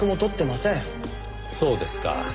そうですか。